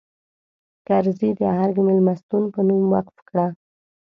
کرزي د ارګ مېلمستون په نوم وقف کړه.